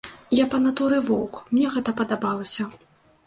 Я па натуры воўк, мне гэта падабалася.